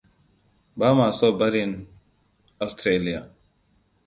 Bama so barin Austaralia.